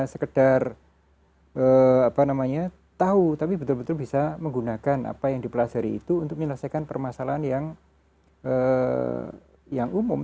sekedar tahu tapi betul betul bisa menggunakan apa yang dipelajari itu untuk menyelesaikan permasalahan yang umum